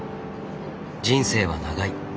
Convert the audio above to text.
人生は長い。